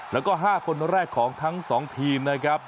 แล้วก็๕คนแรกของทั้ง๒ทีมนะครับ